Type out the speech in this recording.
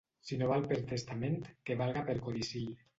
Si no val per testament, que valga per codicil.